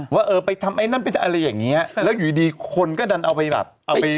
ว่าเออไปทำไอ้นั่นไปอะไรอย่างเงี้ยแล้วอยู่ดีคนก็ดันเอาไปแบบเอาไป